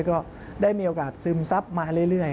ก็ได้มีโอกาสซึมซับมาเรื่อย